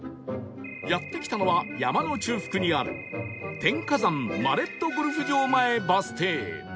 やって来たのは山の中腹にある天下山マレットゴルフ場前バス停